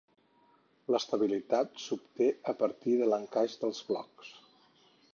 L'estabilitat s'obté a partir de l'encaix dels blocs.